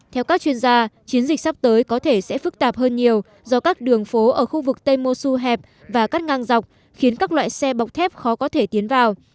theo các chuyên gia chiến dịch sắp tới có thể sẽ phức tạp hơn nhiều do các đường phố ở khu vực tây mô xu hẹp và cắt ngang dọc khiến các loại xe bọc thép khó có thể tiến vào